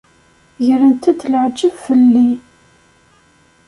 Grent-d leεǧeb fell-i.